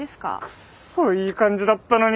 くっそいい感じだったのに。